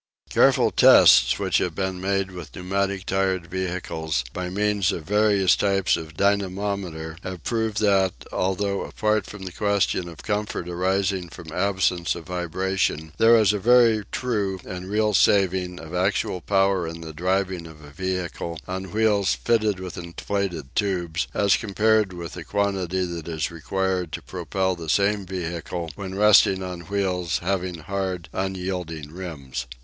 Careful tests which have been made with pneumatic tyred vehicles by means of various types of dynamometer have proved that, altogether apart from the question of comfort arising from absence of vibration, there is a very true and real saving of actual power in the driving of a vehicle on wheels fitted with inflated tubes, as compared with the quantity that is required to propel the same vehicle when resting on wheels having hard unyielding rims.